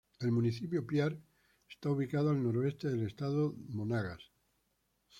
El municipio Piar está ubicado al noroeste del estado Monagas.